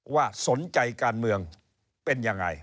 ว่าสนใจการเมืองเป็นยังไง